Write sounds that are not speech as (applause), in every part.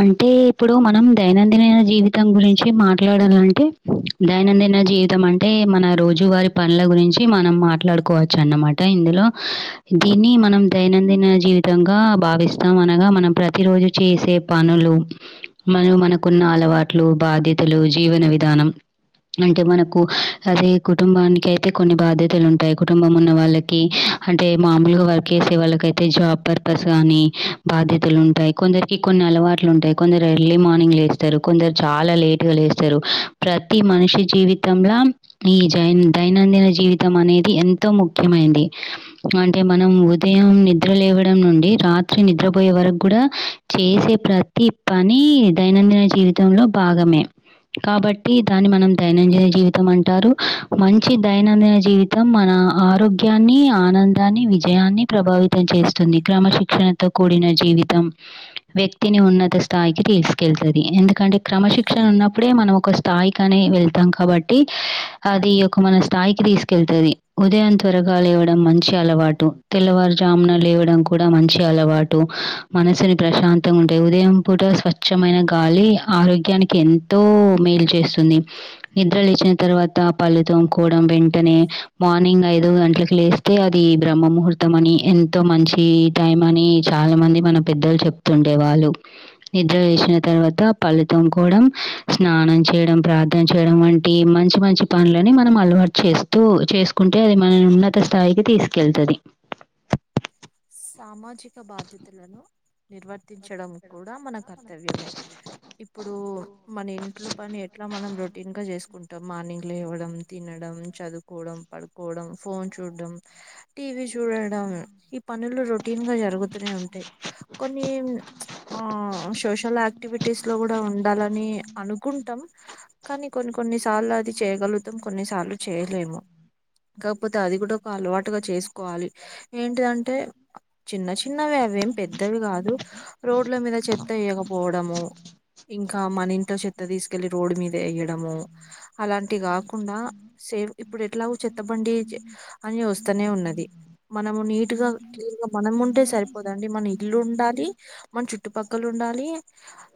అంటే ఇప్పుడు మనం దైనందినైన జీవితం గురించి మాట్లాడాలంటే దైనందిన జీవితం అంటే మన రోజువారి పనుల గురించి మనం మాట్లాడుకోవచ్చు అన్నమాట ఇందులో దీన్ని మనం దైనందిన జీవితంగా భావిస్తాం అనగా మనం ప్రతి రోజు చేసే పనులు మనం మనకున్న అలవాట్లు బాధ్యతలు జీవన విధానం అంటే మనకు అదే కుటుంబానికి అయితే కొన్ని బాధ్యతలు ఉంటాయి కుటుంబం ఉన్న వాళ్ళకి అంటే మామూలుగా వర్క్ చేసే వాళ్ళక అయితే జాబ్ పర్పస్ గాని బాధ్యతలు ఉంటాయి కొందరికి కొన్ని అలవాట్లు ఉంటాయి కొందరు ఎర్లీ మార్నింగ్ లేస్తారు కొందరు చాలా లేటుగా లేస్తారు ప్రతి మనిషి జీవితంంలో ఈ జైన్ దైనందిన జీవితం అనేది ది ఎంతో ముఖ్యమైంది అంటే మనం ఉదయం నిద్రలేవడం నుండి రాత్రి నిద్రపోయే వరకు కూడా చేసే ప్రతి పని దైనందిన జీవితంలో భాగమే కాబట్టి దాన్ని మనం దైనందిన జీవితం అంటారు మంచి దైనందిన జీవితం మన ఆరోగ్యాన్ని ఆనందాన్ని విజయాన్ని ప్రభావితం చేస్తుంది క్రమశిక్షణతో కూడిన జీవితం వ్యక్తిని ఉన్నత స్థాయికి తీసుకెళ్తుంది ఎందుకంటే క్రమశిక్షణ ఉన్నప్పుడే మనం ఒక స్థాయికినే వెళ్తాం కాబట్టి అది ఒక మన స్థాయికి తీసుకెళ్తుంది ఉదయం త్వరగా లేవడం మంచి అలవాటు తెల్లవారుజామున లేవడం కూడా మంచి అలవాటు మనసుని ప్రశాంతంగా ఉంటాయి ఉదయం పూట స్వచ్ఛమైన గాలి ఆరోగ్యానికి ఎంతో మే లు చేస్తుంది నిద్ర లేచ్చిన తర్వాత పళ్లుతోకోవడం వెంటనే మార్నింగ్ ఐదో గంటలకు లేస్తే అది బ్రహ్మ ముహూర్తం అని ఎంతో మంచి టైం అని చాలా మంది మన పెద్దలు చెప్తుండేవాళ్ళు నిద్ర వేసిన తర్వాత పళ్ళుతోకోవడం స్నానం చేయడం ప్రార్థన చేయడం వంటి మంచి మంచి పనులని మనం అలవాటు చేస్తూ చేసుకుంటే అది మన ఉన్నత స్థాయికి తీసుకెళ్తుంది సామాజిక బాధ్యతలను నిర్వర్ ర్తించడం కూడా మన కర్తవ్యమే ఇప్పుడు మన ఇంట్లో పని ఎట్లా మనం రొ టిన్ గా చేసుకుం టమ్ మార్నింగ్ లేవడం, తినడం, చదువుకోడం, పడుకోడం, ఫోన్ చూడడం, టీవి చు చూడడం ఈ పనులు రొటీన్ గా జరుగుతూనే ఉంటాయి కొ కొన్ని చ్ ఆ సోషల్ యాక్టివిటీస్ లో కూడా ఉండాలని అనుకుంటాం. కానీ కొన్ని కొన్నిసార్లు అది చేయగలుగుతాం, కొన్నిసార్లు చేయలేము. కాకపోతే అది కూడా ఒక అలవాటుగా చేసుకోవాలి ఏంటిదంటే? చిన్న చిన్నవి అవేం పెద్దవి కాదు రోడ్ల మీద చెత్త ఎయకపోవడము. ఇంకా మన ఇంట్లో చెత్త తీసుకెళ్ళి రోడ్ మీద వేయడము. అలాంటి కాకుండా సేఫ్ ఇప్పుడు ఎట్లా చెత్తబండి అని వస్తనే ఉన్నది మనము నీట్ గా క్లీన్ గా మనం ఉంటే సరిపోదండి. మన ఇల్లు ఉండాలి. మన చుట్టుపక్కల ఉండాలి.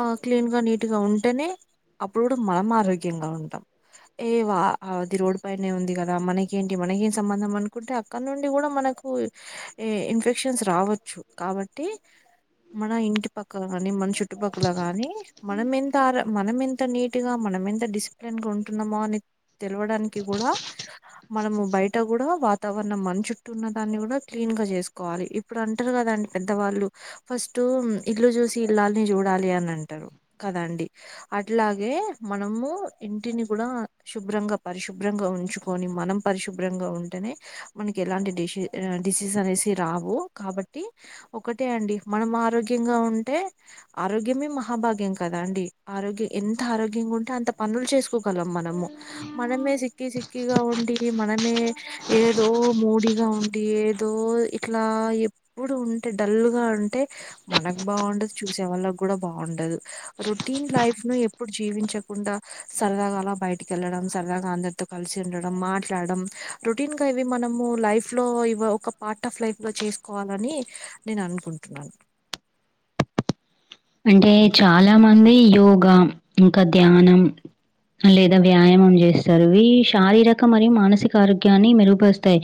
ఆ క్లీన్ గా, నీట్ గా ఉంటేనే అప్పుడు కూడా మామ ఆరోగ్యంగా ఉంటాం. ఏ వా అది రోడ్డు పైనే ఉంది కదా మనకేంటి, మనక ఏం సంబంధం అనుకుంటే అక్కడ నుండి కూడా మనకు కు ఇన్ఫెక్షన్స్ రావచ్చు కాబట్టి మన ఇంటి పక్కల గాని, మన చుట్టుపక్కల గాని మనం ఎంత ఆర మనం ఎంత నీటు గా మన మనం ఎంత డిసిప్లిన్ ఉంటున్నామో అని తెలివడానికి కూడా మనము బయట కూడా వాతావరణం మన చుట్టున్న దాన్ని కూడా క్లీన్ గా చేసుకోవాలి ఇప్పుడు అంటారు కదాండి పెద్దవాళ్ళు ఫస్ట్ ఇల్లు చూసి ఇల్లాల్ని చూడా లి అని అంటారు కదా అండి. అట్లాగే మనము ఇంటిని కూడా శుభ్రం గా పరిశుభ్రంగా ఉంచుకుని మనం పరిశుభ్రంగా ఉంటేనే మనకు ఎలాంటి డిస్ డిసీస్ అనేసి రావు కాబట్టి ఒకటే అండి మనం ఆరోగ్యంగా ఉంటే ఆరోగ్యమే మహాభాగ్యం కదా అండి. ఆరోగ్యం ఎంత ఆరోగ్యంగా ఉంటే అంత పనులు చేసుకోగలం మనము మనమే సిక్కి సిక్ కిగా ఉండి మనమే ఏదో మూడిగా ఉండి ఏ దో ఇట్లా ఎప్పుడు ఉంటే, డల్ గా ఉంటే మనకు బాగుండదు చూసేవాళ్ళ కూడా బావుండదు. రొటీన్ లైఫ్ ను ఎప్పుడు జీవించకుండా సరదాగా అలా బయటకెళ్లడం సరదగా అందరితో కలిసి ఉండడం, మాట్లాడడం రోటీన్ గా ఇవి మనము లైఫ్ లో ఇ ఒక పార్ట్ ఆఫ్ లైఫ్ లో చేసుకోవాలని నేను అనుకుంటున్నాను. అంటే చాలా మంది యోగా ఇంకా ధ్యానం లేదా వ్యాయామం చేస్తారు. ఇ శారీరక మరియు మానసిక ఆరోగ్యాన్ని మెరుగుపరుస్తాయి.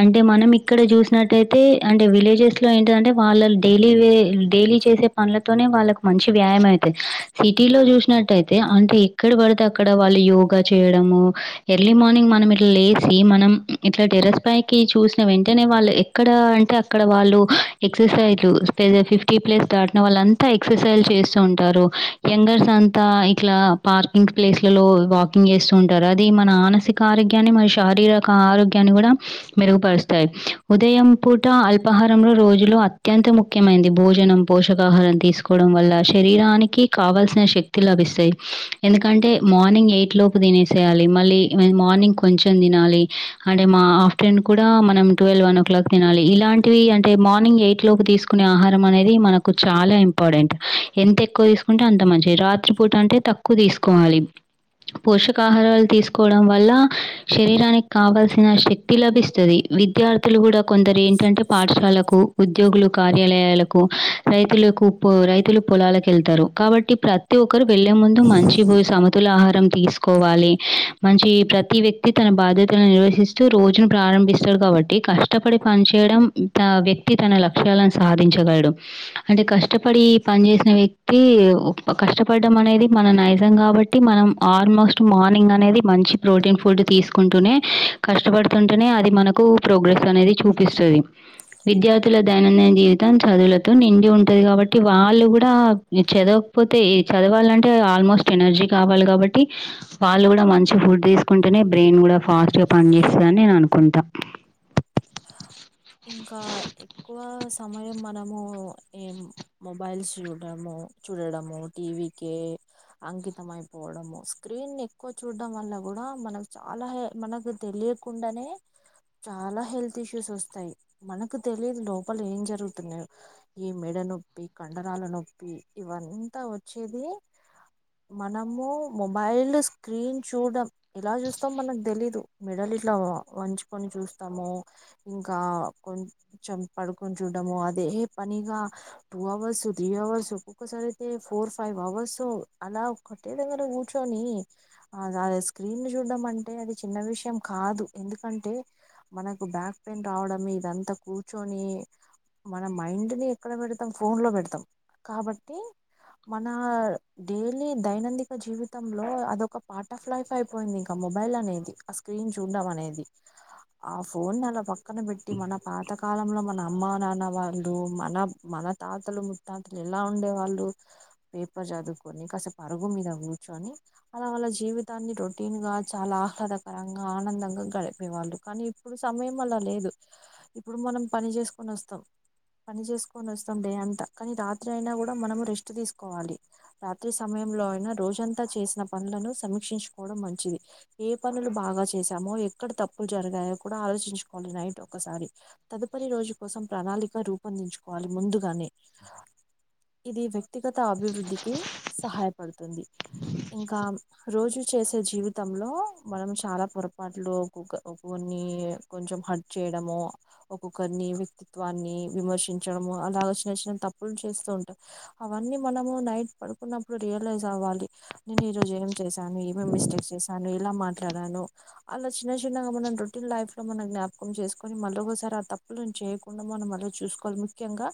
అంటే మనం ఇక్కడ చూసినట్టయితే అంటే విలేజెస్ లో ఏంటిదంటే వాళ్ళ డైలీ వే డైలీ చేసే పన్ల్ తో నే వాళ్ళకి మంచి వ్యాయామ అవుతంది సిటీ లో చూసినట్టయితే అంటే ఎక్కడ పడితే అక్కడ వాళ్ళు యో గా చేయడము ఎర్లీ మార్నింగ్ మనం ఇట్లా లేసి మనం ఇట్లా టెరస్ పైకి చూసిన వెంటనే వాళ్ళు ఎక్కడ అంటే అక్కడ వాళ్ళు ఎక్సర్సైజ్లు ఫిఫ్టీ ప్లస్ దాటిన వాళ్ళం తా ఎక్సర్సైజ్ చేస్తూ ఉంటారు. యంగర్స్ అంతా ఇట్లా పార్కింగ్ ప్లేస్లలో వాకింగ్ ఏస్తు ఉంటారు అది మన మానసిక ఆరోగ్యాన్ని, మన శారీరక ఆరోగ్యాన్ని కూడా మెరుగుపరుస్తాయి. ఉదయం పూట అల్పాహారంలో రోజులో అత్యంత ముఖ్యమైంది. భోజనం పోషకాహారం తి తీసుకోవడం వల్ల శరీరానికి కావాల్సిన శక్తి లభిస్తాయి. ఎందుకంటే మార్నింగ్ ఎయిట్ లో పు తినేసేయాలి మళ్ళి ఇ మార్నింగ్ కొంచెం తినాలి. అంటే మా ఆఫ్టేర్నూన్ కూడా మనం ట్వెల్వ్ వన్ ఓ క్లాక్ తినాలి. ఇలాంటివి అంటే మార్నింగ్ ఎయిట్ లోకి తీసుకునే ఆహారం అనేది మనకు చాలాం ఇంపార్టెంట్ ఎంత ఎక్కువ తీసుకుంటే అంత మంచిది. రాత్రి పూట అంటే తక్కువ తీసుకోవాలి. పోషకాహారాలు తీసుకోవడం వల్ల శరీరానికి కావల్సిన శక్తి లభిస్తది విద్యార్థులు కూడా కొందరు ఏంటంటే పాఠశాలకు ఉద్యోగులు కార్యాలయాలకు రైతులకు రైతులు పొలాలకు వెళ్తారు కాబట్టి ప్రతి ఒక్కరు వెళ్ళలే ముందు మంచి పో సమ తుల ఆహారం తీసుకోవాలి మంచి ప్రతి వ్యక్తి తన బాధ్యతలను నిర్వసిస్తూ రోజు ప్ర ప్రారంభిస్తాడు కాబట్టి కష్టపడి పని చేయడం ఇంక వ్యక్తి తన లక్ష్యాలను సాధించగలడు అంటే కష్ట కష్టపడి పని చేేసిన వ్యక్తి కష్టపడడం అనేది మన నైజం కాబట్టి మనం ఆర్ ఆల్మోస్ట్ మార్నింగ్ అనేది మంచి ప్రోటీన్ ఫుడ్ తీసుకుంటూనే కష్టపడుతుంటేనే అది మనకు ప్రోగ్రెస్ అనేది చూపిస్తది విద్యార్థుల దైనందిన జీవితం చదువులతో నిండి ఉంటుది కాబట్ వాళ్ళు కూడా చదవకపోతే చదవాలంటే ఆల్మోస్ట్ ఎనర్జీ కావాలి కాబట్టి వాళ్ళు కూడా మంచి ఫుడ్ తీసుకుంటేనే బ్రెయిన్ కూడా ఫాస్ట్ గా పని చేస్తదని నేను అనుకుంటా ఇంకా ఎక్కువ సమయం మనము ఏం మొబైల్స్ చూడము చూడడము టీవీ కే అంకితం అయిపోవడము స్క్రీన్ ఎక్కువ చూడడం వల్ల కూడా మనకు చాలా హే మనకు తెలియకుండానే చాలా హెల్త్ ల్త్ ఇషూస్ వస్తాయి మనకు తెలిదు లోపల ఏం జరుగుతున్నా ఈ మెడ నొప్పి కండరా తల నొప్పి ఇవంతా వచ్చేది మనము మొబైల్ స్క్రీన్ చూడం ఎలా చూస్తాం మనకు తెలీదు మేడల్ ఇట్లా వంచుకొని చూస్తాము ఇంకా కొంచం పడుకొని చుడ్డము అదే పనిగా టూ అవర్స్ త్రీ అవర్స్ ఒక్కొక్కసారి అయితే ఫోర్ ఫైవ్ అవర్స్ అలా ఒకటే దగ్గర కూర్చొని అ అ స్క్రీన్ ని చూడ్డం అంటే అది చిన్న విషయం కాదు ఎందుకంటే మనకు బ్యాక్ పెయిన్ రావడమే ఇదంతా కూర్చొని మన మైండ్ ని ఎక్కడ పెడతాం ఫోన్ లో పెడతాం కాబట్టి మన డైలీ దైనందిక జీవితంలో అదొక పార్ట్ ఆఫ్ లైఫ్ అయిపోయింది ఇంక మొబైల్ అనేది ఆ స్క్రీన్ చూడం అనేది ఆ ఫోన్ నలా పక్కన పెట్టి మన పాత కాలంలో మన అమ్మ నాన్న వాళ్ళు మన మన తాత తలు ముత్తాతలు ఎలా ఉండే వాళ్ళు పేపర్ చదువుకొని కాస పరుగు మీద కూర్చొని అలా వాళ్ళ జీవితాన్ని రొటీన్ గా చాలా ఆహ్లాదకరంగా ఆనందంగా గడిపేవాళ్ళు కని ఇప్పుడు సమయం అలా లేదు ఇప్పుడు మనం పని చేసుకొని వస్తాం పని చేసుకొని వస్తాం డే అంతా కానీ రాత్రి అయినా కూడా మనం రెస్ట్ తీసుకోవాలి రాత్రి సమయం లో అయినా రోజంతా చేసిన పనులను సమీక్షించుకోవడం మంచిది ఏ పనులు బాగా చేసామో ఎక్కడ తప్పులు జరగాయో కూడా ఆలోచించుకోవాలి నైట్ ఒకసారి తదుపరి రోజు కోసం ప్రణాళిక రూపొందించుకోవాలి ముందుగానే ఇది వ్యక్తిగత అభివృద్ధికి సహాయపడుతుంది ఇంకా రోజు చేసే జీవితంలో మనం చాలా పొరపాట్లు నీ కొంచం హట్ చేయడము ఒక్కొక్కరిని వ్యక్తిత్వాన్ని విమర్శించడము అలా వశివచ్చినన్ని తప్పులు చేస్తూ ఉంటాం అవన్నీ మనము నైట్ పడుకున్నప్పుడు రియలైజ్ అవ్వాలి నేను ఈ రోజు ఏం చేశాను ఏమేం మిస్టేక్స్ చేసాను ఇలా మాట్లాడాను అలా చిన్న చిన్నగా మనం రో రొటీన్ లైఫ్ లో మనం జ్ఞాపకం చేకొని మళ్ళ ఒకసారి ఆ తప్పులను చేయకుండా మనం మళ్ చూసుకోవాలి ముఖ్యంగా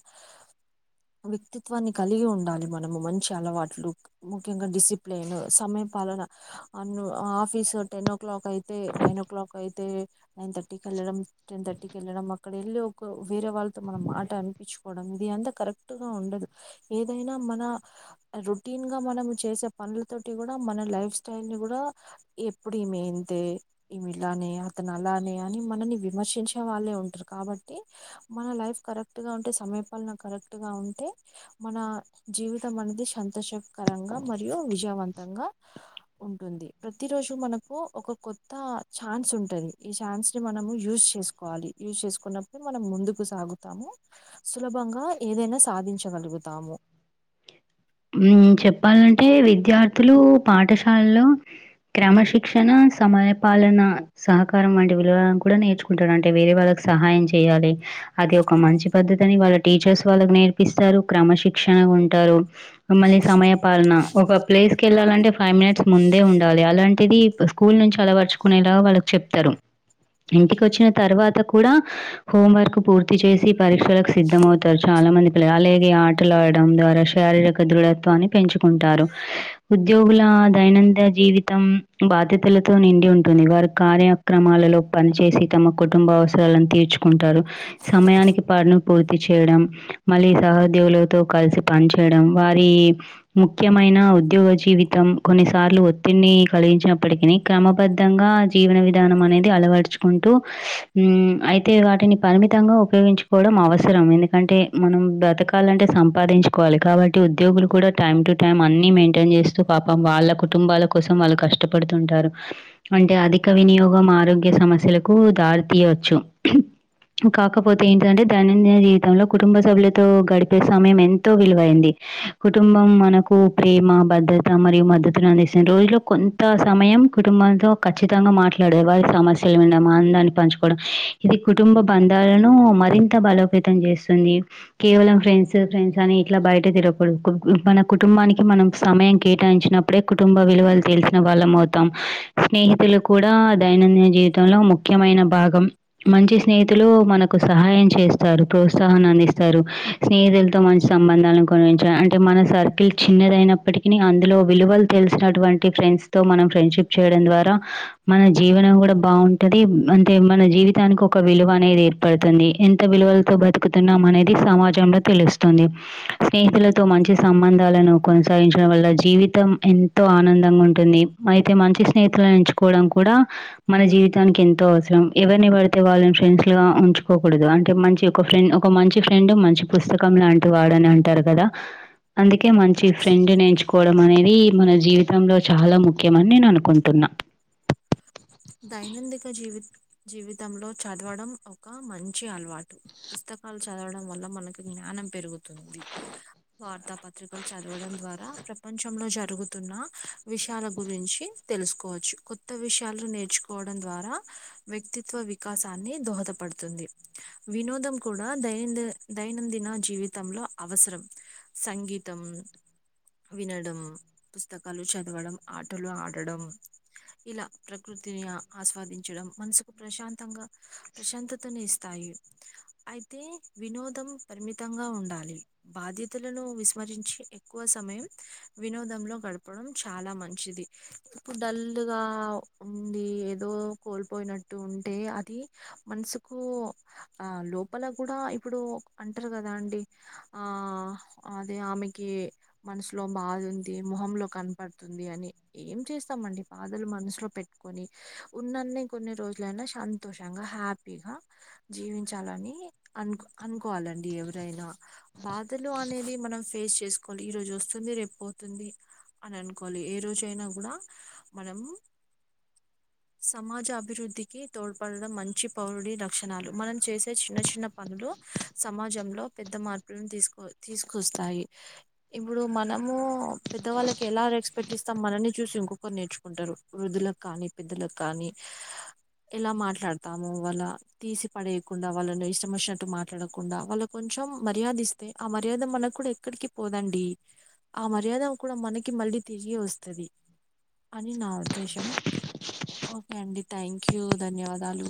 వ్యక్తిత్వాన్ని కలిగి ఉండాలి మనము మంచి అలవాట్లు ముఖ్యంగా డిసిప్లిన్ సమయం పాలన అన్ను ఆఫీస్ టెన్ ఓ క్లాక్ అయితే నైన్ ఓ క్లాక్ అయితే నైన్ థర్టీకి వెళ్ళడం టెన్ థర్టీ కి వెళ్ళడం అక్కడ ఎళ్ళు ఒక వేరే వాళ్ళతో మనం మాట అనిపించుకోవడం ఇది అంతా కరెక్ట్గా ఉండదు ఏదైనా మన రొటీన్ గా మనం చేసే పనులతోటి గుడా మన లైఫ్ స్టైల్ని గుడా ఎప్పుడిమేన్తే ఈమిలానే తనలానే అని మనల్ని విమర్శించే వాళ్ళే ఉంటారు కాబట్టి మన లైఫ్ కరెక్ట్ గా ఉంటే సమ పల్న కరెక్ట్ గా ఉంటే మన జీవితం అనేది సంతోషకరంగా మరియు విజయవంతంగా ఉంటుంది ప్రతిరోజు మనకు ఒక కొత్త ఛాన్స్ ఉంటుంది ఈ చాన్స్ని మనము యూజ్ చేసుకోవాలి యూజ్ చేసుకున్నప్పుడు మనం ముందుకు సాగుతాము సుల భంగా ఏదైనా సాధించగలుగుతాము (inaudible) ఉమ్ చెప్పాలంటే విద్యార్థులు పాఠశాలలో క్రమశిక్షణ సమయ పాలన సహకారం వంటి విలువలను కూడా నేర్చుకుంటాడంటే వేరే వాళ్ళకి సహాయం చేయాలె అది ఒక మంచి పద్ధతి కాని వాళ్ళ టీచర్స్ వాళ్ళకి నేర్పిస్తారు క్రమశిక్షణగా ఉంటారు మిమ్మల్ని సమయ పాలన ఒక ప్లేస్ కి వెళ్ళాలంటే ఫైవ్ మినిట్స్ ముందే ఉండాలి అలాంటిది స్కూల్ నుంచాలవర్చుకునేలాగా వాళ్ళకు చెప్తారు ఇంటికి వచ్చిన తర్వాత కూడా హోం వర్క్ పూర్తి చేసి పరీక్షలకు సిద్ధం అవుతారు చ లా మంది పిల్ల అలాగే ఆటలడడం ద్వారా శారీరక దృత్వాన్ని పెంచుకుంటారు ఉద్యోగుల దైనంద జీవితం బాధ్యతల తోనిండి ఉంటుంది వారు కార్యక్రమాలలో పనిచేసి తమ కుటుంబ అవసరాలను తీర్చుకుంటారు సమయానికి పనులు పూర్తి చేయడం మళ్ళీ సహోద్యోవులతో కలిసి పనిచేయడం వారి ముఖ్యమైన ఉద్యోగ జీవితం కొన్నిసార్లు ఒత్తిడిని కలిగించినప్పటికీనీ క్రమబద్ధంగా జీవన విధానం అనేది అలవడుచుకుంటూ అయితే వాటిని ప పరిమితంగా ఉపయోగించుకోవడం అవసరం ఎందుకంటే మనం బ్రతకాలంటే సంపాదించుకోవాలి కాబ ఉద్యోగులు కూడా టైం టు టైం అన్ని మెయింటైన్ చేస్తూ పాపం వాళ్ళ కుటుంబాల కోసం వాళ్ళు కష్టపడుతుంటా రు అంటే అధిక వినియోగం ఆరోగ్య సమస్యలకు దారి తీయచ్చు కాకపోతే ఏంటంటే దన్ని నిజ జీవితంలో కుటుంబ సభ్యులతో గడిపే సమయం ఎంతో విలువైంది కుటుంబం మనకు ప్రేమ భద్రత మరియు మద్దతులను అందిస్తున్నన్ రోజులో కొంత సమయం కుటుంబంతో ఖచ్చితంగా మాట్లాడ వారి సమస్యలున్న ఆనందాన్ని పంచుకోవడం ఇది కుటుంబబ ందాలను మరింత బలోపేతం చేస్తుంది కేవలం ఫ్రెండ్స్ ఫ్రెండ్స్ అని ఇట్లా బయట తిర ఇప్పుడు మన కుటుంబానికి మనం సమయం కేటాయించినప్పుడే కుటుంబ విలువలు తెలిసిన వాళ్ళం అవుతాం స్నేహితులు కూడా దైనందిన జీవితంలో ముఖ్యమైన భాగం మంచి స్నేహితులు మనకు సహాయం చేస్తారు ప్రోత్సాహన్ని అందిస్తారు స్నేహితులతో మంచి సంబంధాలను కొ అంటే మన సర్కిల్ చిన్నదయినప్పటికీనీ అందులో విలువలు తెలిసినటువంటి ఫ్రెండ్స్ తో మనం ఫ్రెండ్షిప్ చేయడం ద్వారా మన జీవనం కూడా బాగుంటంది అంటే మన జీవితానికి ఒక విలువ అనేది ఏర్పడుతుంది ఎంత విలువలతో బతుకుతున్నాం అనేది సమాజంలో తెలుస్తుంది స్నేహితుల మంచి సంబంధాలను కొనసాగించడం వల్ల జీవితం ఎంతో ఆనందంగా ఉంటుంది అయితే మం చ్చి స్నేహితులను ఎంచుకోవడం కూడా మన జీవితానికి ఎంతో అవసరం ఎవరిని పడితే వాళ్ళని ఫ్రెండ్స్ గా ఉంచుకోకూడదు అంటే మంచి ఒక ఫ్రెండ్ ఒక మంచి ఫ్రెండ్ మంచి పుస్తకం లాంటి వాడని అంటారు కదా (inaudible) అందుకే మంచి ఫ్రెండ్ నేంచుకోవడం అనేది మన జీవితంలో చాలా ముఖ్యమని నేను అనుకుంటున్నా (inaudible) దైనందిక జీవి జీవితంలో చదవడం ఒక మంచి అలవాటు పుస్త కాలు చదవడం వల్ల మనకి జ్ఞానం పెరుగుతుంది వార్తా పత్రికలు చదవడం ద్వారా ప్రపంచంలో జరుగుతున్న విషయాల గురించి తెలుసుకోవచ్చు కొత్త విషయాలు నే ర్చుకోవడం ద్వారా వ్యక్తిత్వ వికాసాన్ని దోహదపడుతుంది వినోదం కూడా దైనంది దైనందిన జీవితంలో అవసరం సంగీతం వినడం పుస్తకాలు చదవడం ఆటలు ఆడడం ఇలా ప్రకృ తిని ఆస్వాదించడం మనసుకు ప్రశాంతంగా ప్రశాంతతను ఇస్తాయి అయి తే వినోదం పరిమితంగా ఉండాలి బాధ్యతలను విస్మరించి ఎక్కువ సమయం వినోదంలో గడపడం చాలా మంచిది ఇప్పుడు డల్లుగా ఉండి ఏదో కోల్పోయినట్టు ఉంటే అది మనసుకు ఆ లో ప్పల కూడా ఇప్పుడు అంటారు కదండీ ఆ అదే ఆమెకి మనసులో బాధ ఉంది మొహంలో కనపడుతుంది అని ఏం చేస్తామండి బాధలు మనసులో పెట్ కొని ఉన్నని కొన్ని రోజులైనా సంతోషంగా హ్యాపీగా జీవించాలని అనుకు అనుకోవాలండి ఎవరైనా బాధలు అనేది మనం ఫేస్ చేసుకోవాలి ఈ రోజు వస్తుంది రేపు పోతుంది అని అనుకోవాలి ఏ రోజయినా కూడా మనం సమాజ అభివృద్ధికి తోడ్పడడం మంచి పౌరుడి లక్షణాలు మనం చేసే చిన్న చిన్న పను లు సమాజంలో పెద్ద మార్పులను తీసు తీసుకొస్తాయి ఇప్పుడు మనము పెద్దవాళ్ళకి ఎలా రెస్పెట్ ఇస్తాం మనల్ని చూసి ఇంకొకరు నేర్చుకుంటారు వృద్ధుల కానీ పెద్దలకు కానీ ఎలా మాట్లాడతాము వాళ్ళ తీసి పడేయకుండా వాళ్ళని ఇష్టం వచ్చినట్టు మాట్లాడకుండా వాళ్ళ కొం చెం మర్యాదిస్తే ఆ మర్యాద మనకు కూడా ఎక్కడికి పోదండి ఆ మర్యాద కూడా మనకి మ ళ్ళీ తిరిగి వస్తది అని నా ఉద్దేశం ఓకే అండి థ్యాంక్ యూ ధన్యవాదాలు